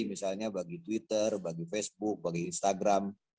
misalnya bagi twitter bagi facebook bagi instagram